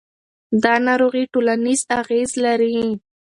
دا ناروغي ټولنیز اغېز لري.